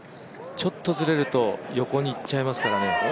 ちょっとずれると、横にいっちゃいますからね。